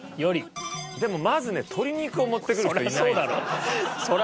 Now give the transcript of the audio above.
でもまずね鶏肉を持ってくる人はいないんですよ。